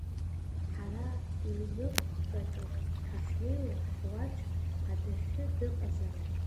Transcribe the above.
Ҳара ҩныкаҿы ҳаннеиуа, ҳуаӡәк адәахьы дыҟазароуп.